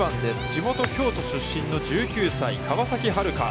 地元京都出身の１９歳、川崎春花。